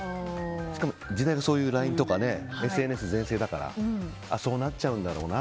しかも時代がそういうＬＩＮＥとかＳＮＳ全盛だからそうなっちゃうんだろうな